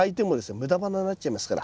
無駄花になっちゃいますから。